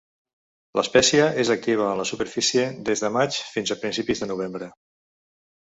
L'espècie és activa en la superfície des de maig fins a principis de novembre.